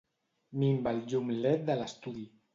Minva el llum led de l'estudi.